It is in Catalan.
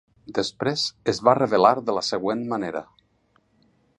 Després es va revelar de la següent manera.